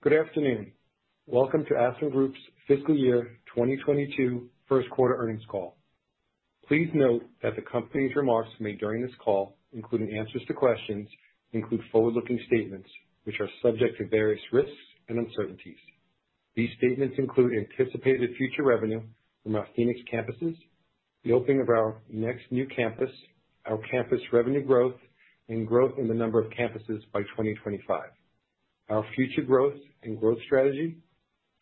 Good afternoon. Welcome to Aspen Group's fiscal year 2022 first quarter earnings call. Please note that the company's remarks made during this call, including answers to questions, include forward-looking statements, which are subject to various risks and uncertainties. These statements include anticipated future revenue from our Phoenix campuses, the opening of our next new campus, our campus revenue growth, and growth in the number of campuses by 2025, our future growth and growth strategy,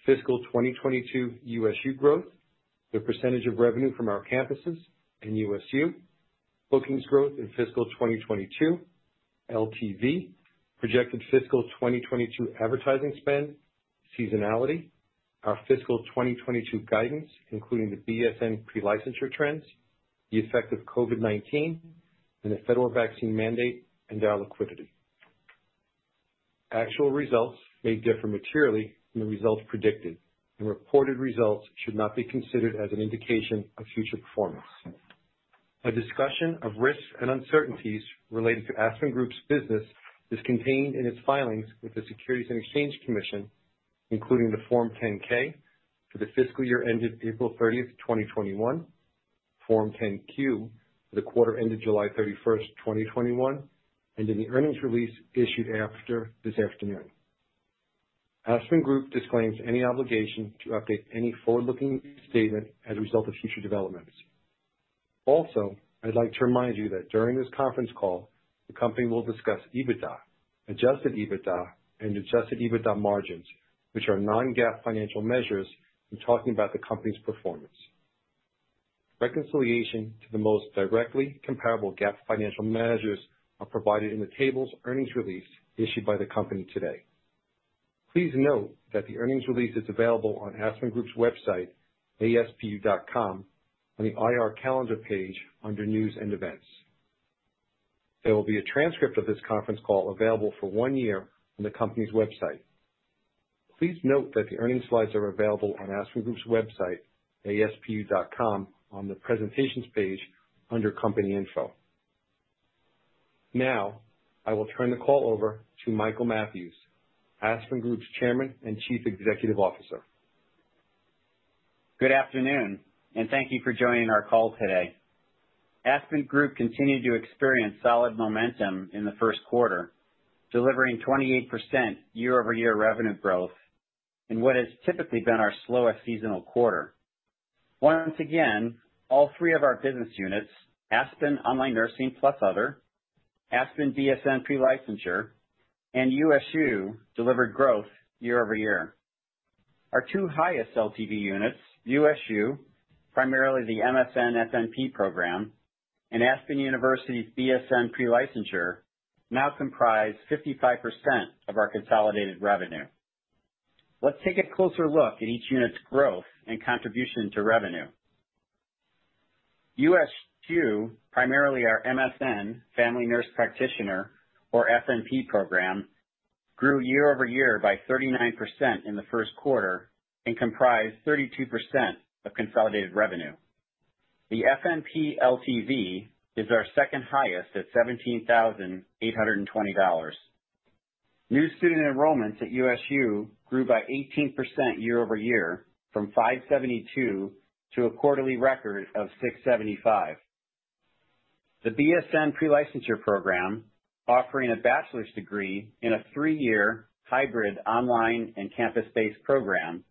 fiscal 2022 USU growth, the percentage of revenue from our campuses and USU, bookings growth in fiscal 2022, LTV, projected fiscal 2022 advertising spend, seasonality, our fiscal 2022 guidance, including the BSN Pre-licensure trends, the effect of COVID-19 and the federal vaccine mandate, and our liquidity. Actual results may differ materially from the results predicted, and reported results should not be considered as an indication of future performance. A discussion of risks and uncertainties related to Aspen Group's business is contained in its filings with the Securities and Exchange Commission, including the Form 10-K for the fiscal year ended April 30th, 2021, Form 10-Q for the quarter ended July 31st, 2021, and in the earnings release issued after this afternoon. Aspen Group disclaims any obligation to update any forward-looking statement as a result of future developments. I'd like to remind you that during this conference call, the company will discuss EBITDA, adjusted EBITDA, and adjusted EBITDA margins, which are non-GAAP financial measures, in talking about the company's performance. Reconciliation to the most directly comparable GAAP financial measures are provided in the tables earnings release issued by the company today. Please note that the earnings release is available on Aspen Group's website, aspu.com, on the IR calendar page under News and Events. There will be a transcript of this conference call available for one year on the company's website. Please note that the earnings slides are available on Aspen Group's website, aspu.com, on the Presentations page under Company Info. I will turn the call over to Michael Mathews, Aspen Group's Chairman and Chief Executive Officer. Good afternoon, thank you for joining our call today. Aspen Group continued to experience solid momentum in the first quarter, delivering 28% year-over-year revenue growth in what has typically been our slowest seasonal quarter. Once again, all three of our business units, Aspen Online Nursing plus Other, Aspen BSN Pre-licensure, and USU delivered growth year-over-year. Our two highest LTV units, USU, primarily the MSN-FNP program, and Aspen University BSN Pre-licensure now comprise 55% of our consolidated revenue. Let's take a closer look at each unit's growth and contribution to revenue. USU, primarily our MSN, Family Nurse Practitioner, or FNP program, grew year-over-year by 39% in the first quarter and comprised 32% of consolidated revenue. The FNP LTV is our second highest at $17,820. New student enrollments at USU grew by 18% year-over-year from 572 to a quarterly record of 675. The BSN Pre-licensure program, offering a bachelor's degree in a 3-year hybrid online and campus-based program,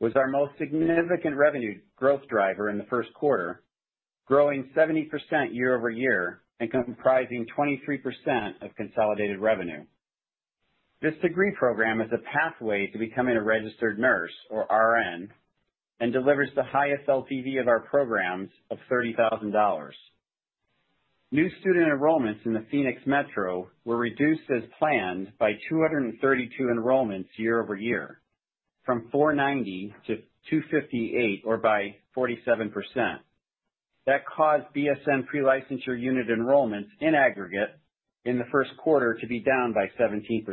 was our most significant revenue growth driver in the first quarter, growing 70% year-over-year and comprising 23% of consolidated revenue. This degree program is a pathway to becoming a registered nurse, or RN, and delivers the highest LTV of our programs of $30,000. New student enrollments in the Phoenix Metro were reduced as planned by 232 enrollments year-over-year from 490 to 258, or by 47%. That caused BSN Pre-licensure unit enrollments in aggregate in the first quarter to be down by 17%.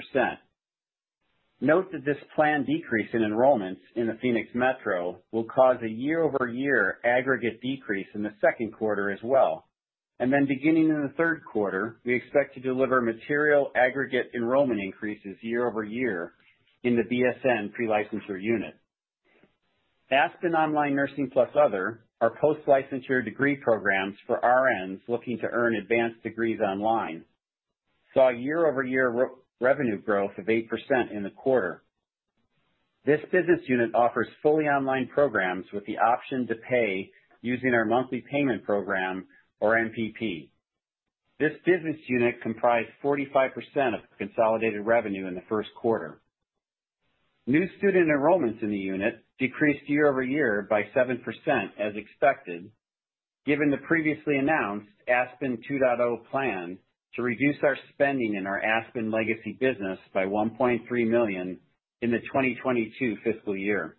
Note that this planned decrease in enrollments in the Phoenix Metro will cause a year-over-year aggregate decrease in the second quarter as well. Beginning in the third quarter, we expect to deliver material aggregate enrollment increases year-over-year in the BSN Pre-licensure unit. Aspen Online Nursing plus Other are post-licensure degree programs for RNs looking to earn advanced degrees online, saw year-over-year revenue growth of 8% in the quarter. This business unit offers fully online programs with the option to pay using our Monthly Payment Program or MPP. This business unit comprised 45% of consolidated revenue in the first quarter. New student enrollments in the unit decreased year-over-year by 7%, as expected, given the previously announced Aspen 2.0 plan to reduce our spending in our Aspen legacy business by $1.3 million in the 2022 fiscal year.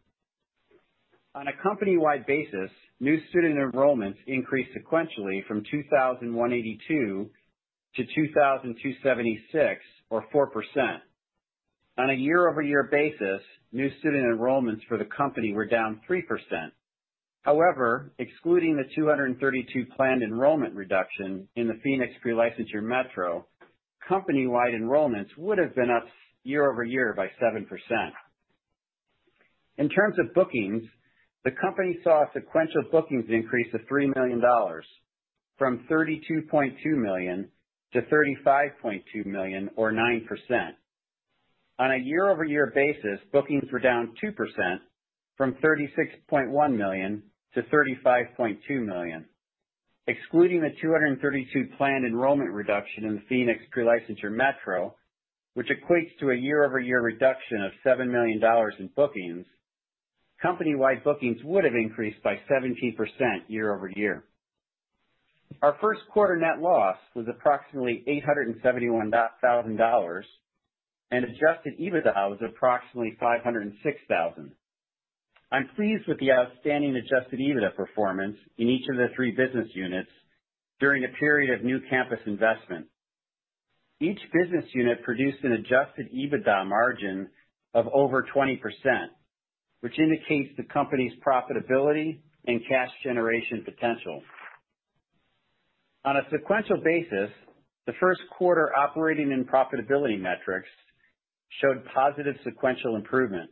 On a company-wide basis, new student enrollments increased sequentially from 2,182 to 2,276, or 4%. On a year-over-year basis, new student enrollments for the company were down 3%. However, excluding the 232 planned enrollment reduction in the Phoenix Pre-Licensure Metro, company-wide enrollments would have been up year-over-year by 7%. In terms of bookings, the company saw a sequential bookings increase of $3 million, from $32.2 million to $35.2 million, or 9%. On a year-over-year basis, bookings were down 2%, from $36.1 million to $35.2 million. Excluding the 232 planned enrollment reduction in the Phoenix Pre-licensure Metro, which equates to a year-over-year reduction of $7 million in bookings, company-wide bookings would have increased by 17% year-over-year. Our first quarter net loss was approximately $871,000, and adjusted EBITDA was approximately $506,000. I'm pleased with the outstanding adjusted EBITDA performance in each of the three business units during a period of new campus investment. Each business unit produced an adjusted EBITDA margin of over 20%, which indicates the company's profitability and cash generation potential. On a sequential basis, the first quarter operating and profitability metrics showed positive sequential improvement.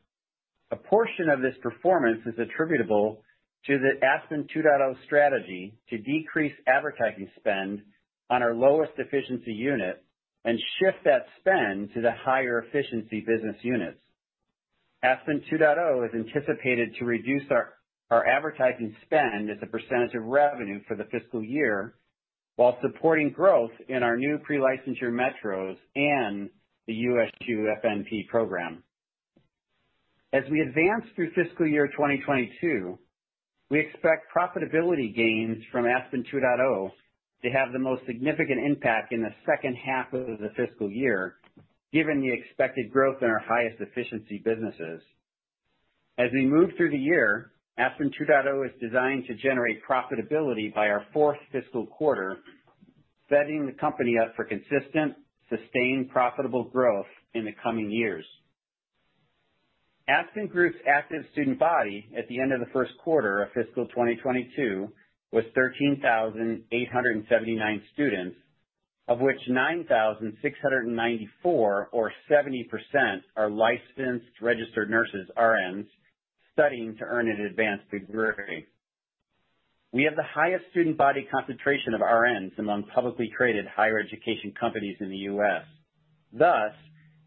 A portion of this performance is attributable to the Aspen 2.0 strategy to decrease advertising spend on our lowest efficiency unit and shift that spend to the higher efficiency business units. Aspen 2.0 is anticipated to reduce our advertising spend as a percentage of revenue for the fiscal year while supporting growth in our new pre-licensure metros and the USU FNP program. As we advance through fiscal year 2022, we expect profitability gains from Aspen 2.0 to have the most significant impact in the second half of the fiscal year, given the expected growth in our highest efficiency businesses. As we move through the year, Aspen 2.0 is designed to generate profitability by our fourth fiscal quarter, setting the company up for consistent, sustained, profitable growth in the coming years. Aspen Group's active student body at the end of the first quarter of fiscal 2022 was 13,879 students, of which 9,694, or 70%, are licensed registered nurses, RNs, studying to earn an advanced degree. We have the highest student body concentration of RNs among publicly traded higher education companies in the U.S.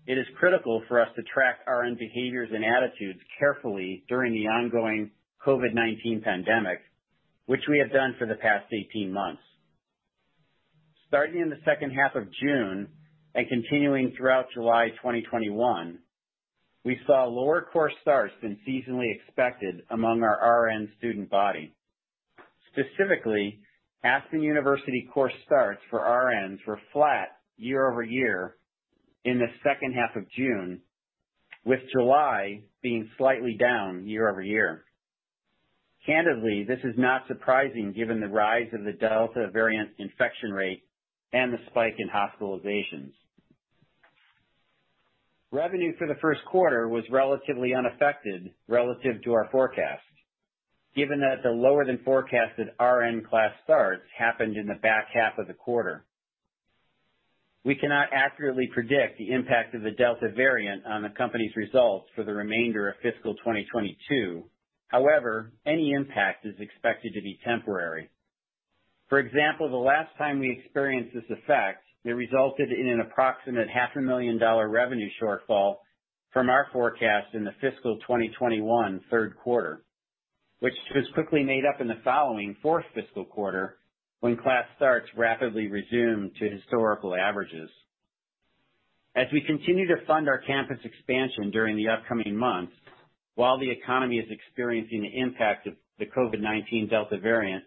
It is critical for us to track RN behaviors and attitudes carefully during the ongoing COVID-19 pandemic, which we have done for the past 18 months. Starting in the second half of June and continuing throughout July 2021, we saw lower course starts than seasonally expected among our RN student body. Specifically, Aspen University course starts for RNs were flat year-over-year in the second half of June, with July being slightly down year-over-year. Candidly, this is not surprising given the rise of the Delta variant infection rate and the spike in hospitalizations. Revenue for the first quarter was relatively unaffected relative to our forecast, given that the lower than forecasted RN class starts happened in the back half of the quarter. We cannot accurately predict the impact of the Delta variant on the company's results for the remainder of fiscal 2022. However, any impact is expected to be temporary. For example, the last time we experienced this effect, it resulted in an approximate half a million dollar revenue shortfall from our forecast in the fiscal 2021 third quarter, which was quickly made up in the following fourth fiscal quarter when class starts rapidly resumed to historical averages. As we continue to fund our campus expansion during the upcoming months while the economy is experiencing the impact of the COVID-19 Delta variant,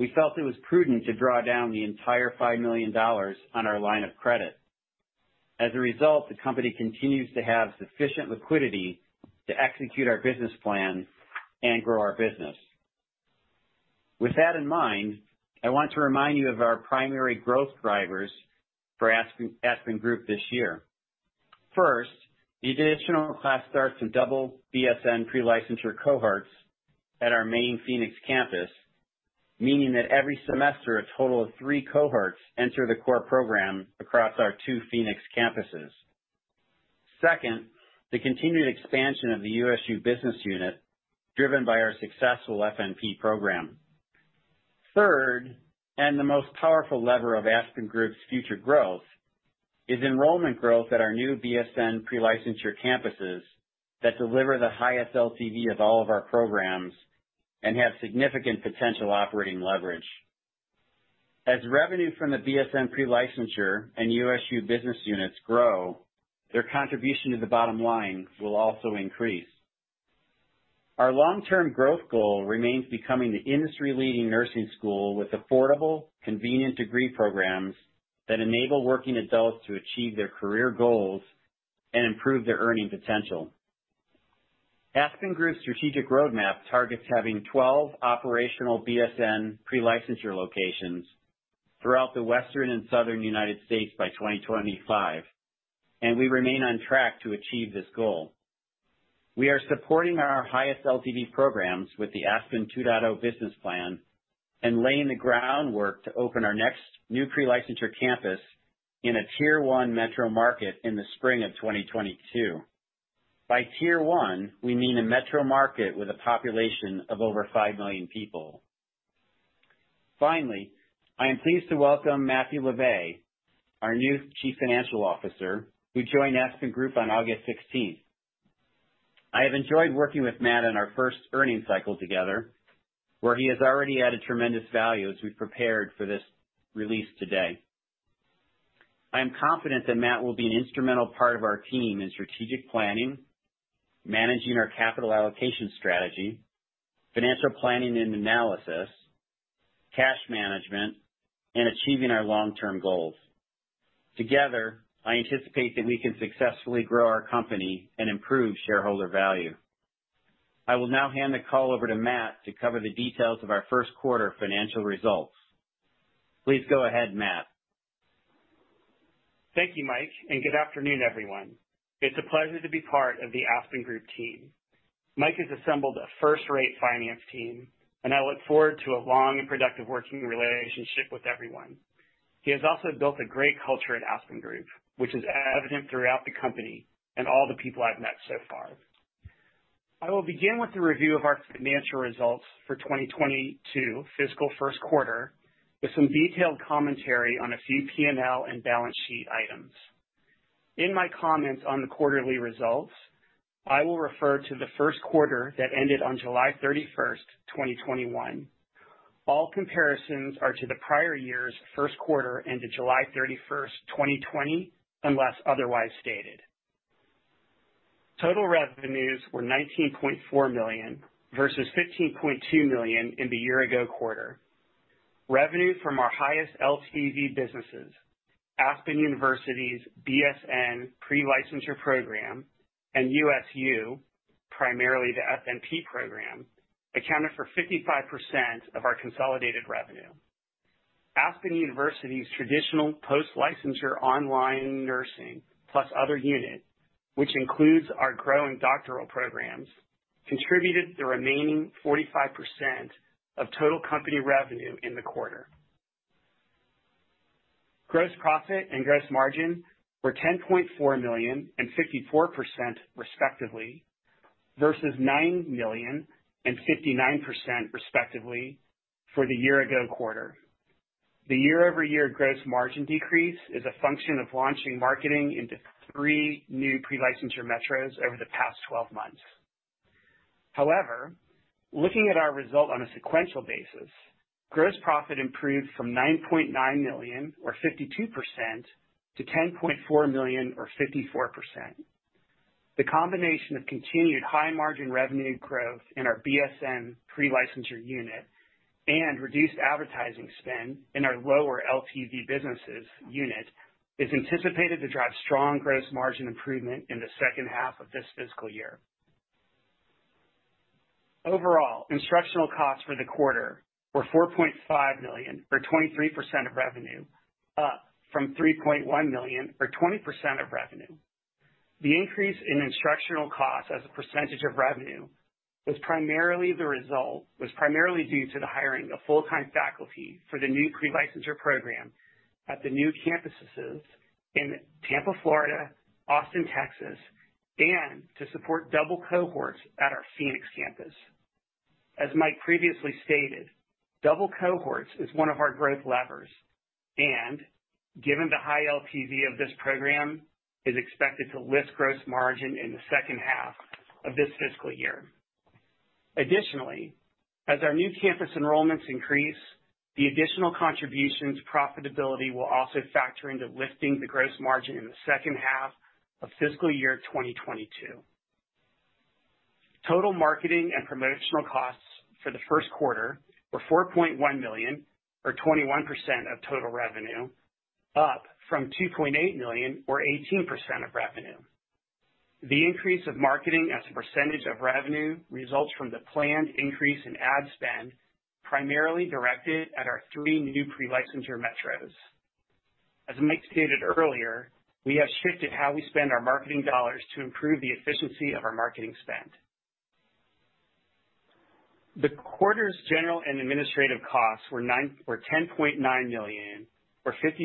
we felt it was prudent to draw down the entire $5 million on our line of credit. As a result, the company continues to have sufficient liquidity to execute our business plan and grow our business. With that in mind, I want to remind you of our primary growth drivers for Aspen Group this year. First, the additional class starts in double BSN Pre-licensure cohorts at our main Phoenix campus, meaning that every semester, a total of three cohorts enter the core program across our two Phoenix campuses. Second, the continued expansion of the USU Business Unit, driven by our successful FNP Program. Third, and the most powerful lever of Aspen Group's future growth, is enrollment growth at our new BSN Pre-licensure campuses that deliver the highest LTV of all of our programs and have significant potential operating leverage. As revenue from the BSN Pre-licensure and USU Business Units grow, their contribution to the bottom line will also increase. Our long-term growth goal remains becoming the industry leading nursing school with affordable, convenient degree programs that enable working adults to achieve their career goals and improve their earning potential. Aspen Group's strategic roadmap targets having 12 operational BSN Pre-licensure locations throughout the Western and Southern U.S. by 2025. We remain on track to achieve this goal. We are supporting our highest LTV programs with the Aspen 2.0 business plan and laying the groundwork to open our next new pre-licensure campus in tier 1 metro market in the spring of 2022. By tier 1, we mean a metro market with a population of over 5 million people. Finally, I am pleased to welcome Matthew LaVay, our new Chief Financial Officer, who joined Aspen Group on August 16th. I have enjoyed working with Matt on our first earnings cycle together, where he has already added tremendous value as we prepared for this release today. I am confident that Matt will be an instrumental part of our team in strategic planning, managing our capital allocation strategy, financial planning and analysis, cash management, and achieving our long-term goals. Together, I anticipate that we can successfully grow our company and improve shareholder value. I will now hand the call over to Matt to cover the details of our first quarter financial results. Please go ahead, Matt. Thank you, Mike, and good afternoon, everyone. It's a pleasure to be part of the Aspen Group team. Mike has assembled a first-rate finance team, and I look forward to a long and productive working relationship with everyone. He has also built a great culture at Aspen Group, which is evident throughout the company and all the people I've met so far. I will begin with a review of our financial results for 2022 fiscal first quarter, with some detailed commentary on a few P&L and balance sheet items. In my comments on the quarterly results, I will refer to the first quarter that ended on July 31st, 2021. All comparisons are to the prior year's first quarter ended July 31st, 2020, unless otherwise stated. Total revenues were $19.4 million, versus $15.2 million in the year-ago quarter. Revenue from our highest LTV businesses, Aspen University's BSN Pre-licensure program, and USU, primarily the FNP program, accounted for 55% of our consolidated revenue. Aspen University's traditional post-licensure Aspen Online Nursing plus Other unit, which includes our growing doctoral programs, contributed the remaining 45% of total company revenue in the quarter. Gross profit and gross margin were $10.4 million and 54%, respectively, versus $9 million and 59%, respectively, for the year ago quarter. The year-over-year gross margin decrease is a function of launching marketing into three new pre-licensure metros over the past 12 months. However, looking at our result on a sequential basis, gross profit improved from $9.9 million or 52%, to $10.4 million or 54%. The combination of continued high margin revenue growth in our BSN Pre-licensure unit and reduced advertising spend in our lower LTV businesses unit is anticipated to drive strong gross margin improvement in the second half of this fiscal year. Overall, instructional costs for the quarter were $4.5 million or 23% of revenue, up from $3.1 million or 20% of revenue. The increase in instructional cost as a percentage of revenue was primarily due to the hiring of full-time faculty for the new Pre-licensure program at the new campuses in Tampa, Florida, Austin, Texas, and to support double cohorts at our Phoenix campus. As Mike previously stated, double cohorts is one of our growth levers and, given the high LTV of this program, is expected to lift gross margin in the second half of this fiscal year. Additionally, as our new campus enrollments increase, the additional contributions profitability will also factor into lifting the gross margin in the second half of fiscal year 2022. Total marketing and promotional costs for the first quarter were $4.1 million or 21% of total revenue, up from $2.8 million or 18% of revenue. The increase of marketing as a percentage of revenue results from the planned increase in ad spend primarily directed at our three new pre-licensure metros. As Mike stated earlier, we have shifted how we spend our marketing dollars to improve the efficiency of our marketing spend. The quarter's general and administrative costs were $10.9 million or 56%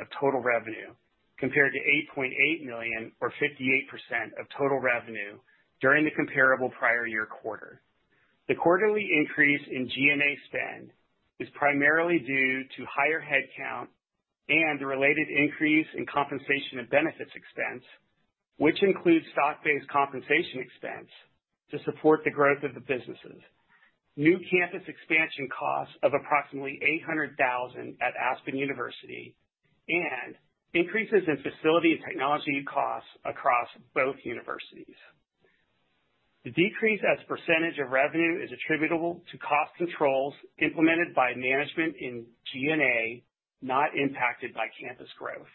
of total revenue, compared to $8.8 million or 58% of total revenue during the comparable prior year quarter. The quarterly increase in G&A spend is primarily due to higher headcount and the related increase in compensation and benefits expense, which includes stock-based compensation expense to support the growth of the businesses, new campus expansion costs of approximately $800,000 at Aspen University, and increases in facility and technology costs across both universities. The decrease as a percentage of revenue is attributable to cost controls implemented by management in G&A, not impacted by campus growth.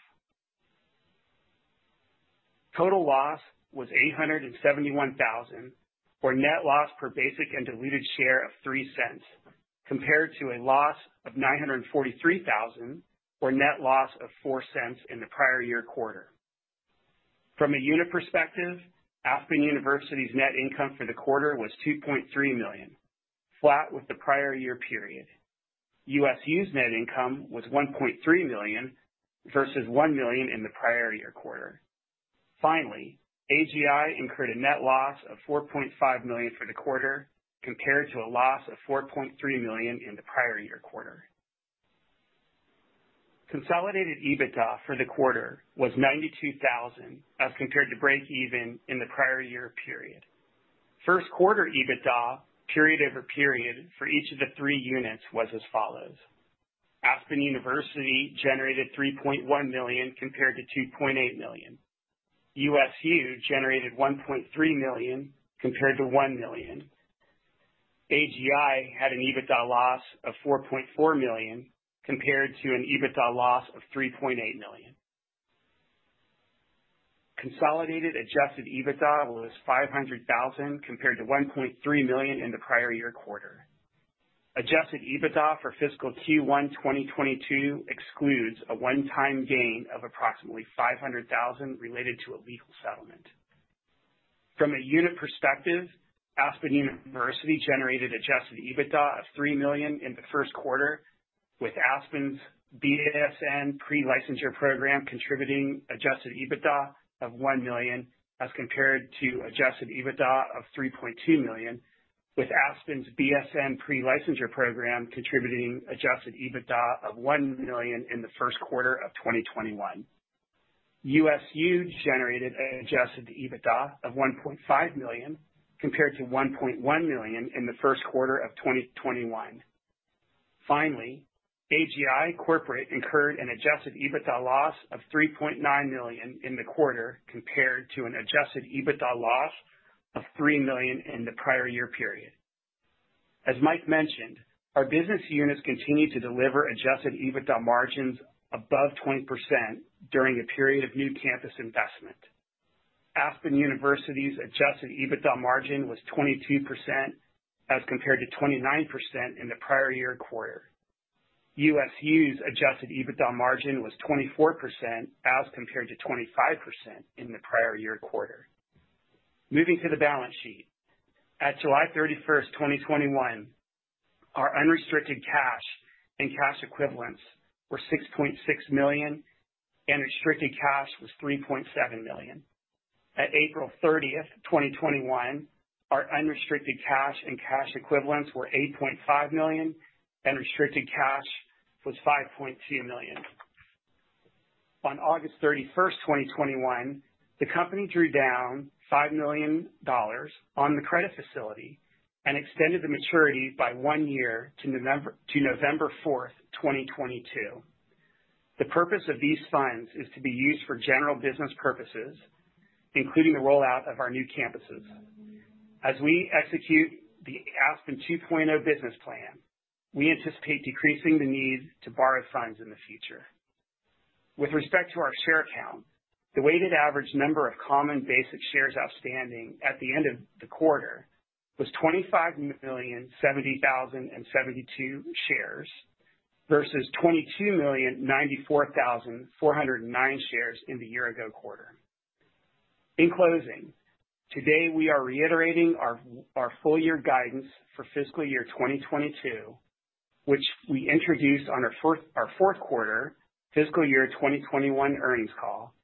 Total loss was $871,000, or net loss per basic and diluted share of $0.03, compared to a loss of $943,000, or net loss of $0.04 in the prior year quarter. From a unit perspective, Aspen University's net income for the quarter was $2.3 million, flat with the prior year period. USU's net income was $1.3 million versus $1 million in the prior year quarter. AGI incurred a net loss of $4.5 million for the quarter, compared to a loss of $4.3 million in the prior year quarter. Consolidated EBITDA for the quarter was $92,000, as compared to breakeven in the prior year period. First quarter EBITDA, period over period, for each of the three units was as follows: Aspen University generated $3.1 million compared to $2.8 million. USU generated $1.3 million compared to $1 million. AGI had an EBITDA loss of $4.4 million compared to an EBITDA loss of $3.8 million. Consolidated adjusted EBITDA was $500,000 compared to $1.3 million in the prior year quarter. Adjusted EBITDA for fiscal Q1 2022 excludes a one-time gain of approximately $500,000 related to a legal settlement. From a unit perspective, Aspen University generated adjusted EBITDA of $3 million in the first quarter, with Aspen's BSN Pre-licensure program contributing adjusted EBITDA of $1 million, as compared to adjusted EBITDA of $3.2 million, with Aspen's BSN Pre-licensure program contributing adjusted EBITDA of $1 million in the first quarter of 2021. USU generated an adjusted EBITDA of $1.5 million compared to $1.1 million in the first quarter of 2021. Finally, AGI corporate incurred an adjusted EBITDA loss of $3.9 million in the quarter compared to an adjusted EBITDA loss of $3 million in the prior year period. As Mike mentioned, our business units continue to deliver adjusted EBITDA margins above 20% during a period of new campus investment. Aspen University's adjusted EBITDA margin was 22% as compared to 29% in the prior year quarter. USU's adjusted EBITDA margin was 24% as compared to 25% in the prior year quarter. Moving to the balance sheet. At July 31st, 2021, our unrestricted cash and cash equivalents were $6.6 million and restricted cash was $3.7 million. At April 30th, 2021, our unrestricted cash and cash equivalents were $8.5 million, and restricted cash was $5.2 million. On August 31st, 2021, the company drew down $5 million on the credit facility and extended the maturity by one year to November 4th, 2022. The purpose of these funds is to be used for general business purposes, including the rollout of our new campuses. As we execute the Aspen 2.0 business plan, we anticipate decreasing the need to borrow funds in the future. With respect to our share count, the weighted average number of common basic shares outstanding at the end of the quarter was 25,070,072 shares versus 22,094,409 shares in the year ago quarter. In closing, today we are reiterating our full year guidance for fiscal year 2022, which we introduced on our fourth quarter fiscal year 2021 earnings call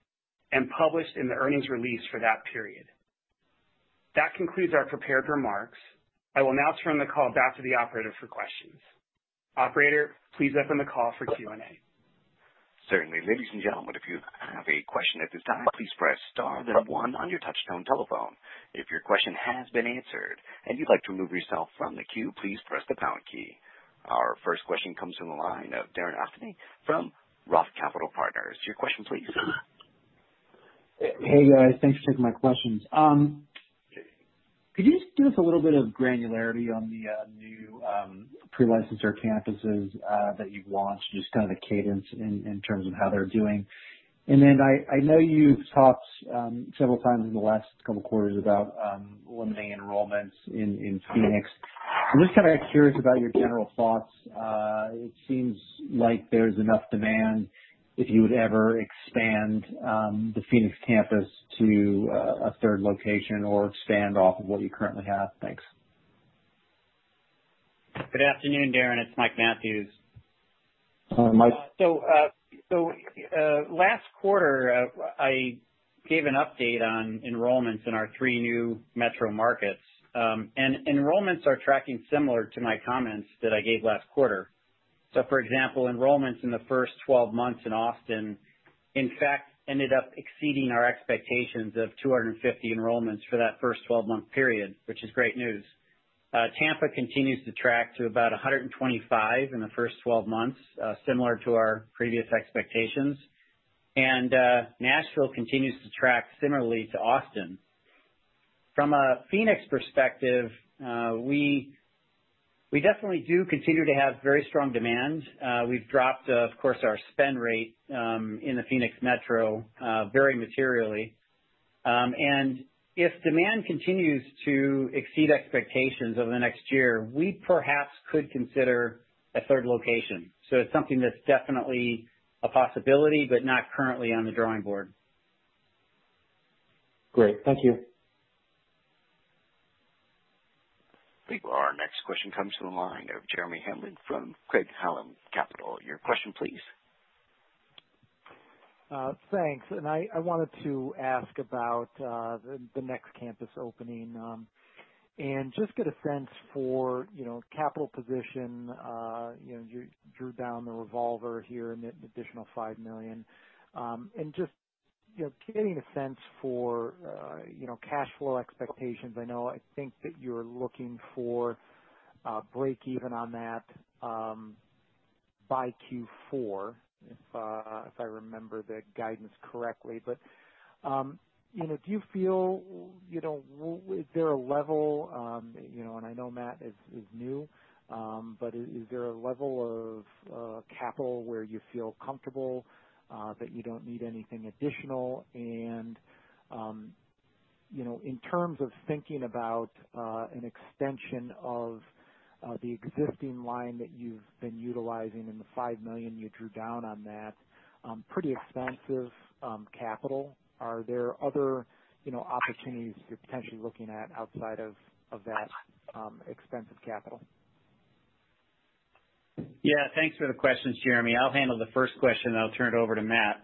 and published in the earnings release for that period. That concludes our prepared remarks. I will now turn the call back to the operator for questions. Operator, please open the call for Q&A. Certainly. Ladies and gentlemen, if you have a question at this time, please press star one on your touchtone telephone. If your question has been answered and you'd like to remove yourself from the queue, please press the pound key. Our first question comes from the line of Darren Aftahi from ROTH Capital Partners. Your question please. Hey, guys. Thanks for taking my questions. Could you just give us a little bit of granularity on the new pre-licensure campuses that you've launched, just kind of the cadence in terms of how they're doing? I know you've talked several times in the last couple of quarters about limiting enrollments in Phoenix. I'm just kind of curious about your general thoughts. It seems like there's enough demand if you would ever expand the Phoenix campus to a third location or expand off of what you currently have. Thanks. Good afternoon, Darren. It's Mike Mathews. Hi, Mike. Last quarter, I gave an update on enrollments in our three new metro markets, and enrollments are tracking similar to my comments that I gave last quarter. For example, enrollments in the first 12 months in Austin, in fact, ended up exceeding our expectations of 250 enrollments for that first 12-month period, which is great news. Tampa continues to track to about 125 in the first 12 months, similar to our previous expectations. Nashville continues to track similarly to Austin. From a Phoenix perspective, we definitely do continue to have very strong demand. We've dropped, of course, our spend rate in the Phoenix Metro very materially. If demand continues to exceed expectations over the next year, we perhaps could consider a third location. It's something that's definitely a possibility, but not currently on the drawing board. Great. Thank you. I think our next question comes from the line of Jeremy Hamblin from Craig-Hallum Capital Group. Your question, please. Thanks. I wanted to ask about the next campus opening, and just get a sense for capital position. You drew down the revolver here, an additional $5 million. Just getting a sense for cash flow expectations. I think that you're looking for a break even on that by Q4, if I remember the guidance correctly. Do you feel, is there a level, I know Matt is new, but is there a level of capital where you feel comfortable that you don't need anything additional? In terms of thinking about an extension of the existing line that you've been utilizing and the $5 million you drew down on that, pretty expensive capital. Are there other opportunities you're potentially looking at outside of that expensive capital? Yeah. Thanks for the questions, Jeremy. I'll handle the first question, then I'll turn it over to Matt.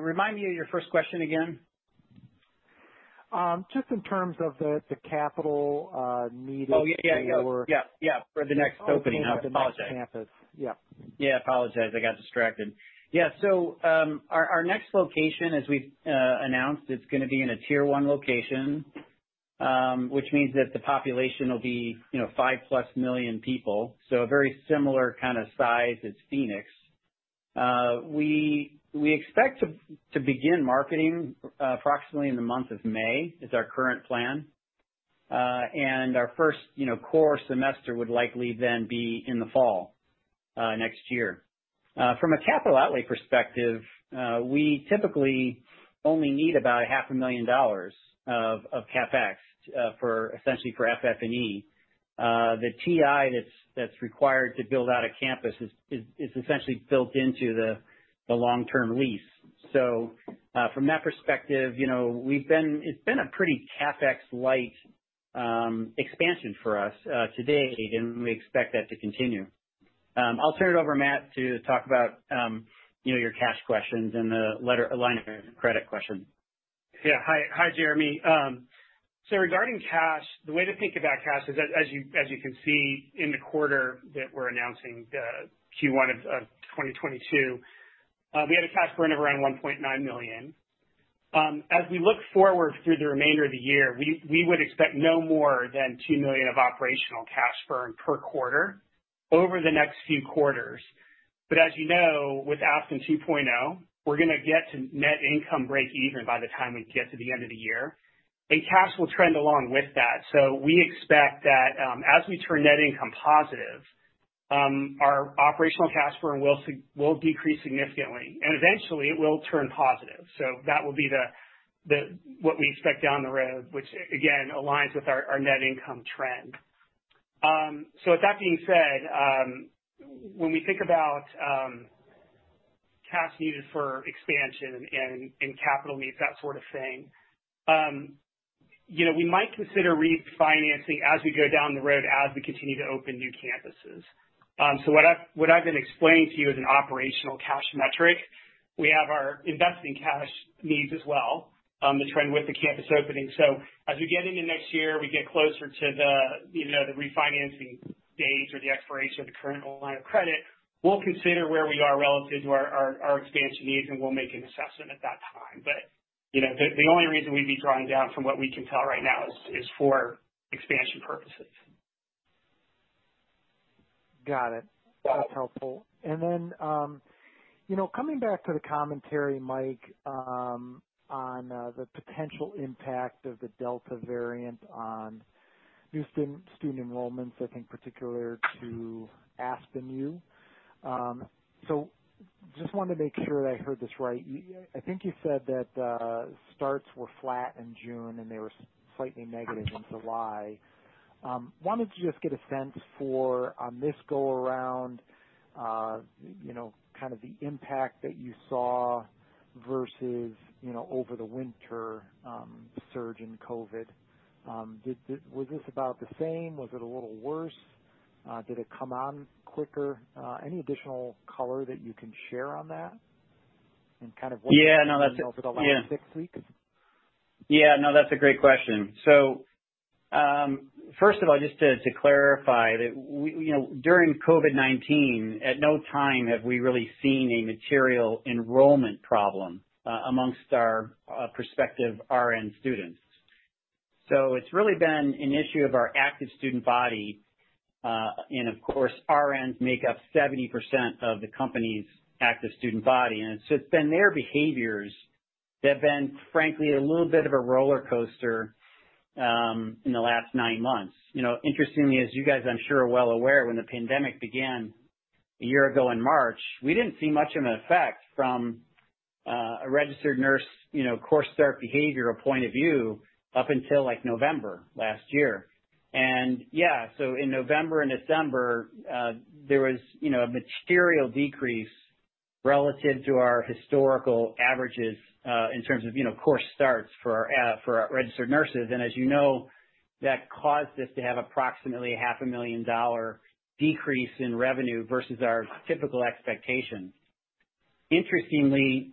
Remind me of your first question again. Just in terms of the capital needed. Oh, yeah. Yeah. For the next opening. I apologize. -the next campus. Yeah. Apologize. I got distracted. Our next location, as we've announced, it's going to be in tier 1 location. Which means that the population will be 5-plus million people, so a very similar kind of size as Phoenix. We expect to begin marketing approximately in the month of May, is our current plan. Our first core semester would likely then be in the fall, next year. From a capital outlay perspective, we typically only need about a half a million dollars of CapEx, essentially for FF&E. The TI that's required to build out a campus is essentially built into the long-term lease. From that perspective, it's been a pretty CapEx-light expansion for us to date, and we expect that to continue. I'll turn it over to Matt to talk about your cash questions and the alignment of credit questions. Yeah. Hi, Jeremy. Regarding cash, the way to think about cash is that as you can see in the quarter that we're announcing, Q1 of 2022, we had a cash burn of around $1.9 million. As we look forward through the remainder of the year, we would expect no more than $2 million of operational cash burn per quarter over the next few quarters. As you know, with Aspen 2.0, we're gonna get to net income breakeven by the time we get to the end of the year, and cash will trend along with that. We expect that, as we turn net income positive, our operational cash burn will decrease significantly, and eventually, it will turn positive. That will be what we expect down the road, which again aligns with our net income trend. With that being said, when we think about cash needed for expansion and capital needs, that sort of thing, we might consider refinancing as we go down the road, as we continue to open new campuses. What I've been explaining to you is an operational cash metric. We have our investing cash needs as well, to trend with the campus opening. As we get into next year, we get closer to the refinancing date or the expiration of the current line of credit, we'll consider where we are relative to our expansion needs, and we'll make an assessment at that time. The only reason we'd be drawing down from what we can tell right now is for expansion purposes. Got it. That's helpful. Coming back to the commentary, Mike, on the potential impact of the Delta variant on new student enrollments, I think particular to Aspen U. Just wanted to make sure that I heard this right. I think you said that starts were flat in June, and they were slightly negative in July. Wanted to just get a sense for, on this go around, kind of the impact that you saw versus over the winter surge in COVID. Was this about the same? Was it a little worse? Did it come on quicker? Any additional color that you can share on that and kind of what- Yeah, no. over the last six weeks? Yeah, that's a great question. First of all, just to clarify that during COVID-19, at no time have we really seen a material enrollment problem amongst our prospective RN students. It's really been an issue of our active student body. Of course, RNs make up 70% of the company's active student body, it's been their behaviors that have been, frankly, a little bit of a roller coaster in the last nine months. Interestingly, as you guys, I'm sure, are well aware, when the pandemic began a year ago in March, we didn't see much of an effect from a registered nurse course start behavior or point of view up until November last year. Yeah, in November and December, there was a material decrease relative to our historical averages in terms of course starts for our registered nurses. As you know, that caused us to have approximately a half a million dollar decrease in revenue versus our typical expectations. Interestingly,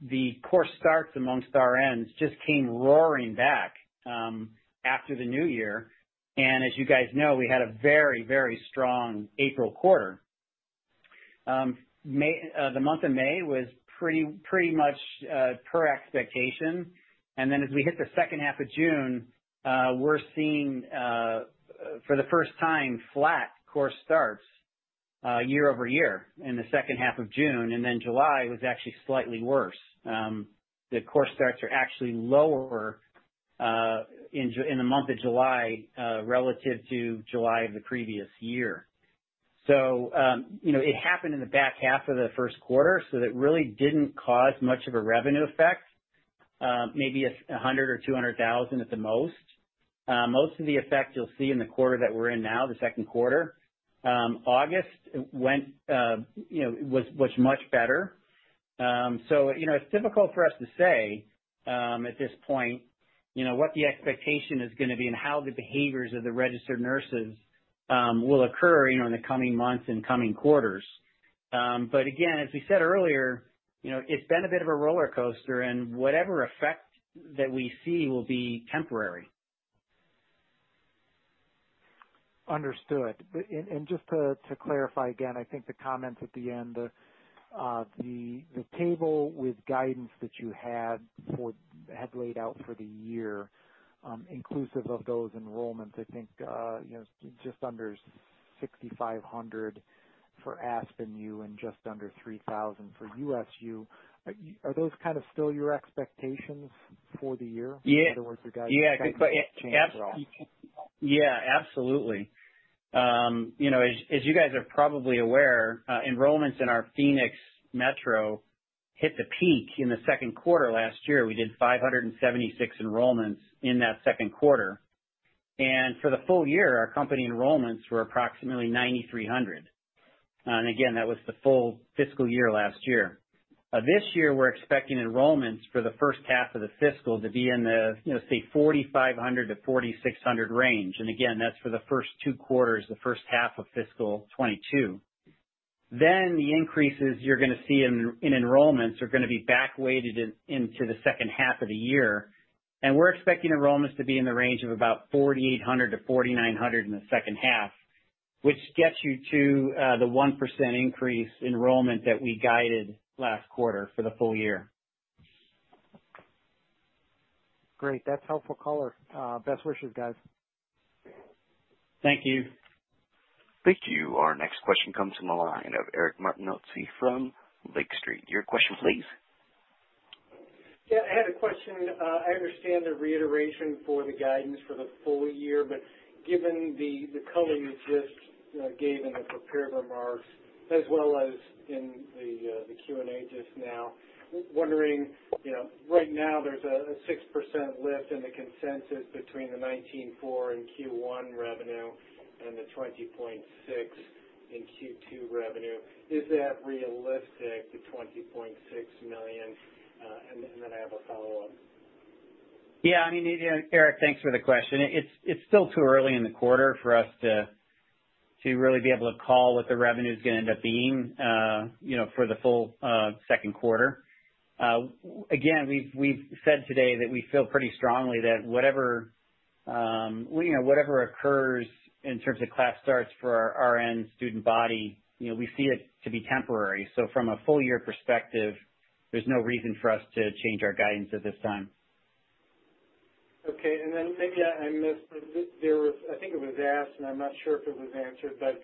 the course starts amongst RNs just came roaring back after the new year, and as you guys know, we had a very strong April quarter. The month of May was pretty much per expectation. As we hit the second half of June, we're seeing for the first time, flat course starts year-over-year in the second half of June, and then July was actually slightly worse. The course starts are actually lower in the month of July relative to July of the previous year. It happened in the back half of the first quarter, so that really didn't cause much of a revenue effect. Maybe $100,000 or $200,000 at the most. Most of the effect you'll see in the quarter that we're in now, the second quarter. August was much better. It's difficult for us to say at this point what the expectation is going to be and how the behaviors of the registered nurses will occur in the coming months and coming quarters. Again, as we said earlier, it's been a bit of a roller coaster, and whatever effect that we see will be temporary. Understood. Just to clarify again, I think the comments at the end, the table with guidance that you had laid out for the year, inclusive of those enrollments, I think, just under 6,500 for Aspen U and just under 3,000 for USU. Are those still your expectations for the year? Yeah. In other words, your guidance hasn't changed at all. Yeah, absolutely. As you guys are probably aware, enrollments in our Phoenix Metro hit the peak in the second quarter last year. We did 576 enrollments in that second quarter. For the full year, our company enrollments were approximately 9,300. Again, that was the full fiscal year last year. This year, we're expecting enrollments for the first half of the fiscal to be in the, say, 4,500-4,600 range. Again, that's for the first two quarters, the first half of fiscal 2022. The increases you're going to see in enrollments are going to be back-weighted into the second half of the year. We're expecting enrollments to be in the range of about 4,800-4,900 in the second half, which gets you to the 1% increase enrollment that we guided last quarter for the full year. Great. That's helpful color. Best wishes, guys. Thank you. Thank you. Our next question comes from the line of Eric Martinuzzi from Lake Street. Your question please. Yeah, I had a question. I understand the reiteration for the guidance for the full year, but given the coloring you just gave in the prepared remarks as well as in the Q&A just now, wondering, right now there's a 6% lift in the consensus between the $19.4 million in Q1 revenue and the $20.6 million in Q2 revenue. Is that realistic, the $20.6 million? I have a follow-up. Yeah. Eric, thanks for the question. It's still too early in the quarter for us to really be able to call what the revenue's going to end up being for the full second quarter. Again, we've said today that we feel pretty strongly that whatever occurs in terms of class starts for our RN student body, we see it to be temporary. From a full year perspective, there's no reason for us to change our guidance at this time. Okay. Maybe I missed, I think it was asked, and I'm not sure if it was answered, but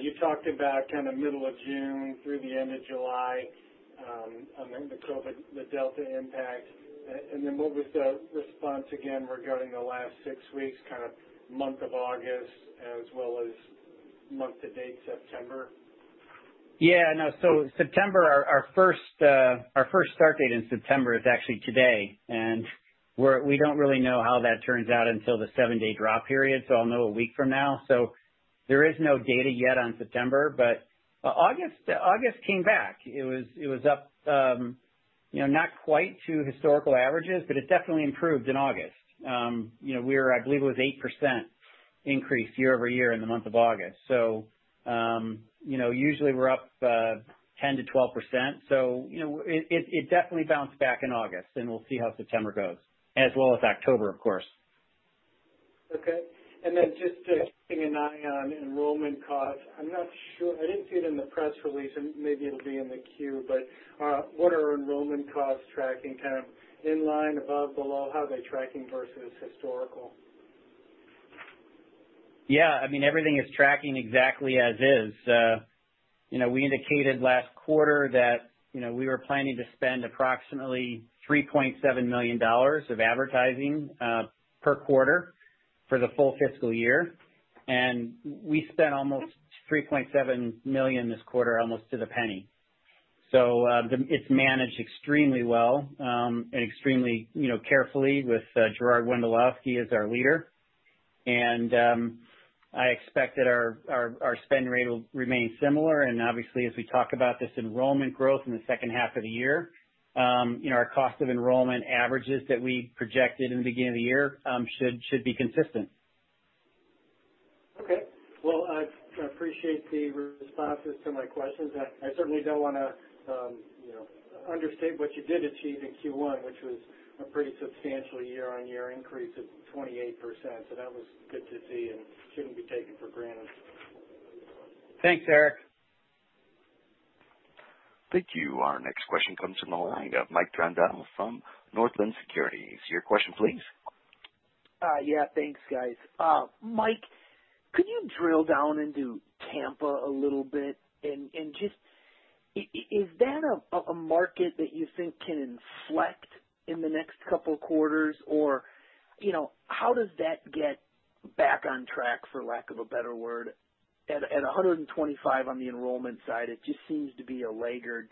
you talked about kind of middle of June through the end of July on the COVID, the Delta impact. What was the response again regarding the last six weeks, kind of month of August as well as month to date September? Yeah. No. September, our first start date in September is actually today, and we don't really know how that turns out until the seven-day drop period, so I'll know a week from now. There is no data yet on September. August came back. It was up not quite to historical averages, but it definitely improved in August. We were, I believe it was 8% increase year-over-year in the month of August. Usually we're up 10%-12%. It definitely bounced back in August, and we'll see how September goes, as well as October, of course. Okay. Just keeping an eye on enrollment costs. I'm not sure, I didn't see it in the press release, and maybe it'll be in the Form 10-Q. What are enrollment costs tracking? Kind of in line, above, below? How are they tracking versus historical? Yeah. Everything is tracking exactly as is. We indicated last quarter that we were planning to spend approximately $3.7 million of advertising, per quarter for the full fiscal year, and we spent almost $3.7 million this quarter, almost to the penny. It's managed extremely well, and extremely carefully with Michael Mathews as our leader. I expect that our spend rate will remain similar, and obviously as we talk about this enrollment growth in the second half of the year, our cost of enrollment averages that we projected in the beginning of the year should be consistent. Okay. Well, I appreciate the responses to my questions. I certainly don't want to understate what you did achieve in Q1, which was a pretty substantial year-on-year increase of 28%, so that was good to see and shouldn't be taken for granted. Thanks, Eric. Thank you. Our next question comes from the line of Mike Grondahl from Northland Securities. Your question, please? Yeah. Thanks, guys. Mike, could you drill down into Tampa a little bit and just, is that a market that you think can inflect in the next couple of quarters? How does that get back on track, for lack of a better word? At 125 on the enrollment side, it just seems to be a laggard.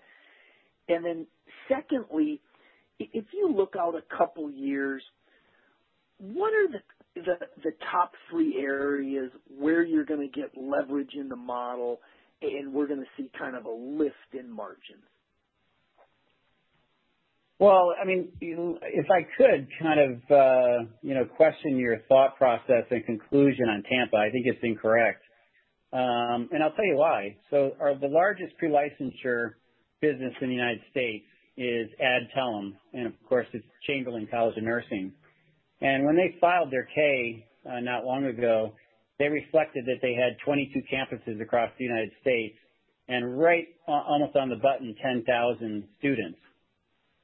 Secondly, if you look out a couple of years, what are the top three areas where you're going to get leverage in the model, and we're going to see kind of a lift in margins? Well, if I could kind of question your thought process and conclusion on Tampa, I think it's incorrect. I'll tell you why. The largest pre-licensure business in the U.S. is Adtalem, and of course, it's Chamberlain University. When they filed their K not long ago, they reflected that they had 22 campuses across the U.S., and right almost on the button, 10,000 students.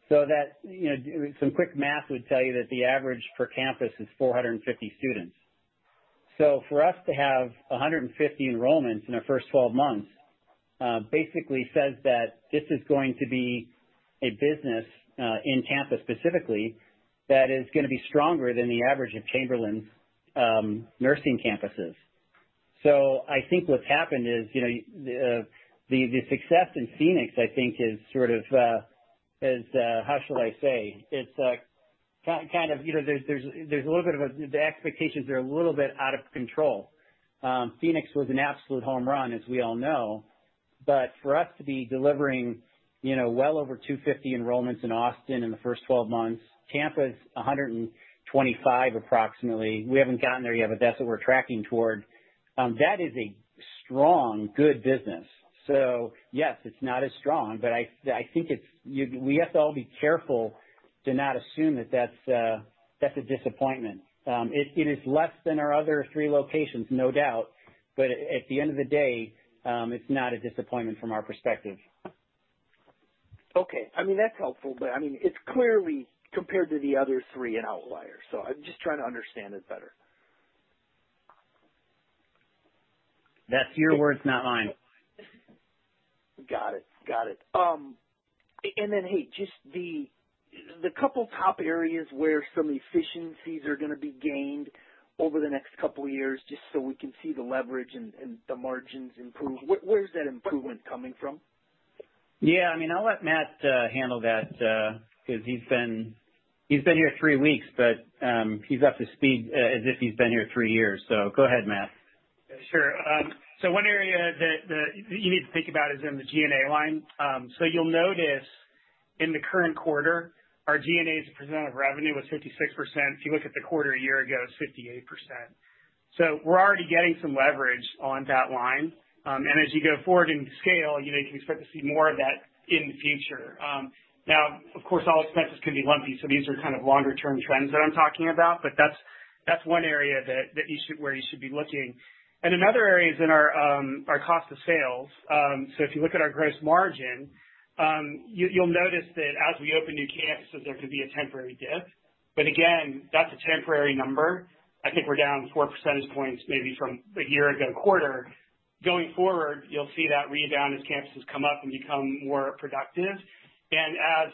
Some quick math would tell you that the average per campus is 450 students. For us to have 150 enrollments in our first 12 months, basically says that this is going to be a business, in Tampa specifically, that is going to be stronger than the average of Chamberlain's nursing campuses. I think what's happened is, the success in Phoenix, I think is sort of, how shall I say? The expectations are a little bit out of control. Phoenix was an absolute home run, as we all know. For us to be delivering well over 250 enrollments in Austin in the first 12 months, Tampa is 125 approximately. We haven't gotten there yet, but that's what we're tracking toward. That is a strong, good business. Yes, it's not as strong, but we have to all be careful to not assume that that's a disappointment. It is less than our other three locations, no doubt, but at the end of the day, it's not a disappointment from our perspective. Okay. That's helpful, but it's clearly, compared to the other three, an outlier. I'm just trying to understand it better. That's your words, not mine. Got it. Hey, just the couple top areas where some efficiencies are going to be gained over the next couple of years, just so we can see the leverage and the margins improve. Where's that improvement coming from? Yeah. I'll let Matt handle that, because he's been here three weeks, but he's up to speed as if he's been here three years. Go ahead, Matt. Sure. One area that you need to think about is in the G&A line. You'll notice in the current quarter, our G&A as a % of revenue was 56%. If you look at the quarter a year ago, it was 58%. We're already getting some leverage on that line. As you go forward in scale, you can expect to see more of that in the future. Now of course, all expenses can be lumpy, so these are kind of longer term trends that I'm talking about, but that's one area where you should be looking. Another area is in our cost of sales. If you look at our gross margin, you'll notice that as we open new campuses, there could be a temporary dip. Again, that's a temporary number. I think we're down 4 percentage points maybe from a year ago quarter. Going forward, you'll see that rebound as campuses come up and become more productive. As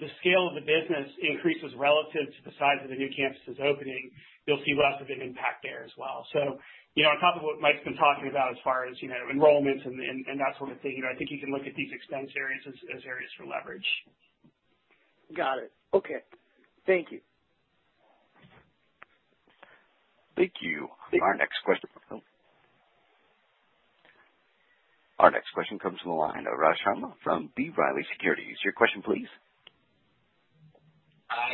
the scale of the business increases relative to the size of the new campuses opening, you'll see less of an impact there as well. On top of what Mike's been talking about as far as enrollments and that sort of thing, I think you can look at these expense areas as areas for leverage. Got it. Okay. Thank you. Thank you. Our next question comes from the line of Raj Sharma from B. Riley Securities. Your question, please?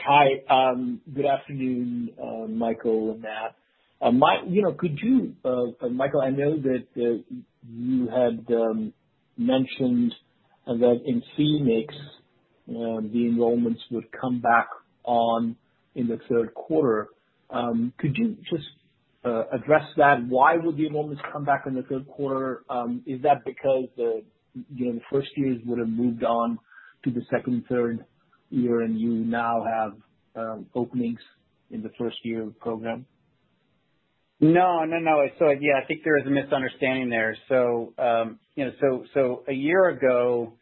Hi. Good afternoon, Michael and Matt. Michael, I know that you had mentioned that in Phoenix The enrollments would come back on in the third quarter. Could you just address that? Why would the enrollments come back in the third quarter? Is that because the first years would've moved on to the second, third year, and you now have openings in the first-year program? No. Yeah, I think there is a misunderstanding there. A year ago,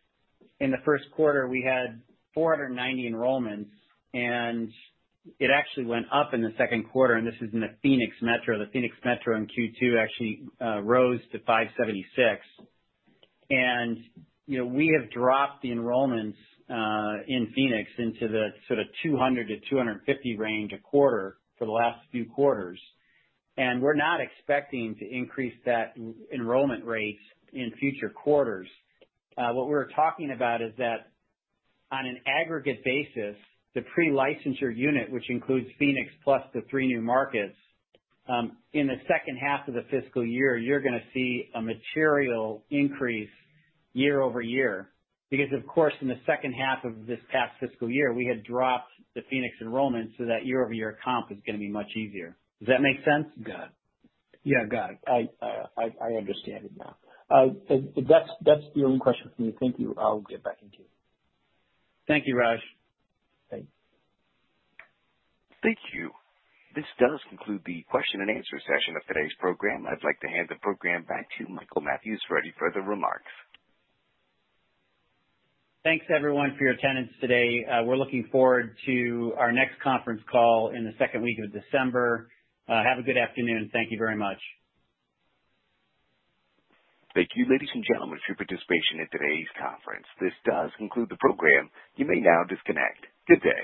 in the first quarter, we had 490 enrollments, and it actually went up in the second quarter, and this is in the Phoenix metro. The Phoenix metro in Q2 actually rose to 576. We have dropped the enrollments in Phoenix into the sort of 200-250 range a quarter for the last few quarters. We're not expecting to increase that enrollment rate in future quarters. What we're talking about is that on an aggregate basis, the pre-licensure unit, which includes Phoenix plus the three new markets, in the second half of the fiscal year, you're going to see a material increase year-over-year. Of course, in the second half of this past fiscal year, we had dropped the Phoenix enrollment, so that year-over-year comp is going to be much easier. Does that make sense? Got it. Yeah, got it. I understand it now. That's the only question for me. Thank you. I'll get back into you. Thank you, Raj. Thanks. Thank you. This does conclude the question and answer session of today's program. I'd like to hand the program back to Michael Mathews for any further remarks. Thanks everyone for your attendance today. We're looking forward to our next conference call in the second week of December. Have a good afternoon. Thank you very much. Thank you, ladies and gentlemen, for your participation in today's conference. This does conclude the program. You may now disconnect. Good day.